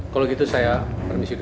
kalau gitu saya permisi dulu ya